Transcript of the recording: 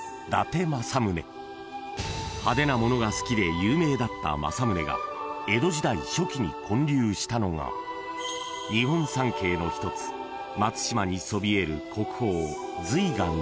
有名だった政宗が江戸時代初期に建立したのが日本三景の一つ松島にそびえる］